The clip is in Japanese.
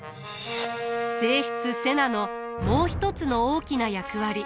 正室瀬名のもう一つの大きな役割。